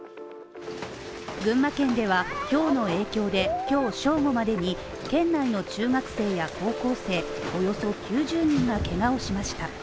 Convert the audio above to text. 群馬県ではひょうの影響で、今日正午までに県内の中学生や高校生およそ９０人がけがをしました。